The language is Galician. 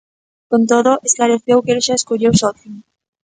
Con todo, esclareceu que el xa escolleu socio.